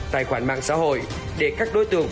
tài khoản mạng xã hội để các đối tượng